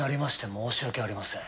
申し訳ありません